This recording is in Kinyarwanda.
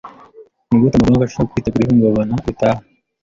Nigute amabanki ashobora kwitegura ihungabana ritaha?